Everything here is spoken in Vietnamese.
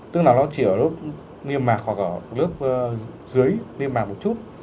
tức là nó chỉ ở lớp nghiêm mạc hoặc ở lớp dưới nghiêm mạc một chút